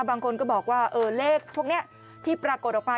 บางคนก็บอกว่าเลขพวกนี้ที่ปรากฏออกมา